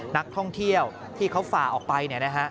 นักท่องเที่ยวที่เขาฝ่าออกไป